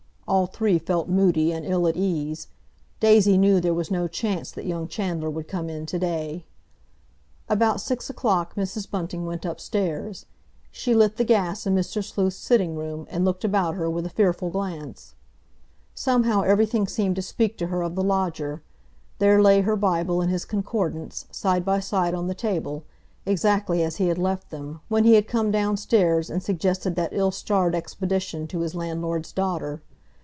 All three felt moody and ill at ease. Daisy knew there was no chance that young Chandler would come in to day. About six o'clock Mrs. Bunting went upstairs. She lit the gas in Mr. Sleuth's sitting room and looked about her with a fearful glance. Somehow everything seemed to speak to her of the lodger, there lay her Bible and his Concordance, side by side on the table, exactly as he had left them, when he had come downstairs and suggested that ill starred expedition to his landlord's daughter.